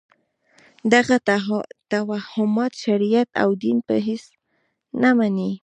دغه توهمات شریعت او دین په هېڅ نه مني.